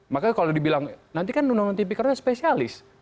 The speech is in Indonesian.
makanya kalau dibilang nanti kan undang undang tipikornya spesialis